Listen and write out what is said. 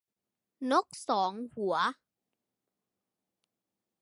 นกสองหัว